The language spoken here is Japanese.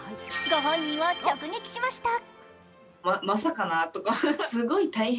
ご本人を直撃しました。